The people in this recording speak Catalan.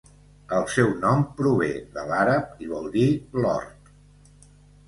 El seu nom prové de l'àrab i vol dir l'hort.